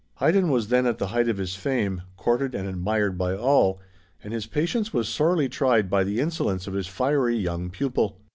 Haydn was then at the height of his fame, courted and admired by all, and his patience was sorely tried by the insolence of his fiery young pupil.